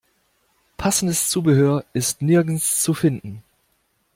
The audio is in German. Passendes Zubehör ist nirgends zu finden.